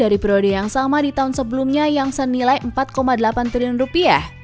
dari periode yang sama di tahun sebelumnya yang senilai empat delapan triliun rupiah